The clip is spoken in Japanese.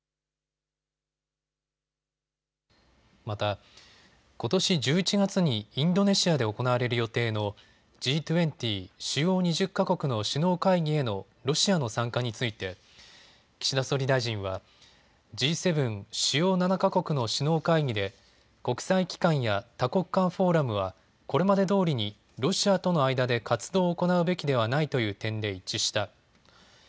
また、ことし１１月にインドネシアで行われる予定のＧ２０・主要２０か国の首脳会議へのロシアの参加について岸田総理大臣はＧ７・主要７か国の首脳会議で国際機関や多国間フォーラムはこれまでどおりにロシアとの間で活動を行うべきではないという点で一致した。